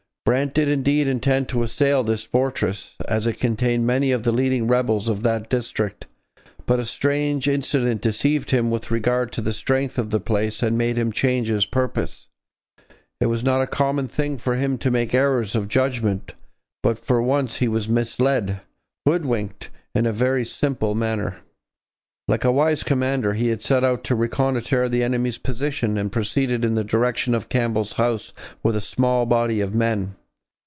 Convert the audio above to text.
Brant did, indeed, intend to assail this fortress, as it contained many of the leading rebels of that district, but a strange incident deceived him with regard to the strength of the place and made him change his purpose. It was not a common thing for him to make errors of judgement, but for once he was misled hoodwinked in a very simple manner. Like a wise commander he had set out to reconnoitre the enemy's position, and proceeded in the direction of Campbell's house with a small body of men.